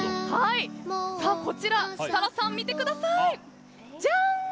こちら設楽さん、見てください！じゃん！